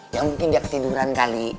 ya mungkin dia ketiduran kali